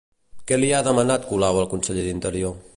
Què li ha demanat Colau al conseller d'Interior?